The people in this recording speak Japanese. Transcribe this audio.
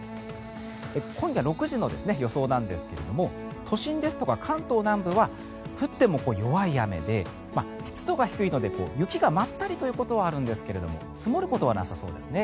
今夜６時の予想なんですけれども都心ですとか関東南部は降っても弱い雨で湿度が低いので雪が舞ったりということはあるんですが積もることはなさそうですね。